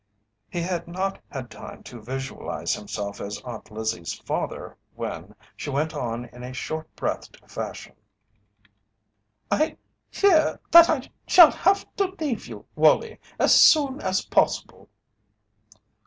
He had not had time to visualize himself as Aunt Lizzie's father when she went on in a short breathed fashion: "I fear that I shall have to leave you, Wallie, as soon as possible."